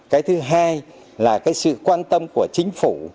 cái thứ hai là cái sự quan tâm của chính phủ